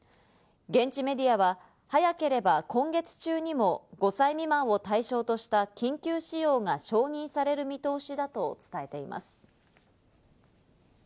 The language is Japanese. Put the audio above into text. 現地メディアは、早ければ今月中にも５歳未満を対象とした緊急使用が承認される見通しだと伝えています。